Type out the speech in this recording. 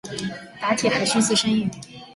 打铁还需自身硬。